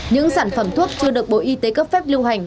những sản phẩm thuốc chưa được bộ y tế cấp phép lưu hành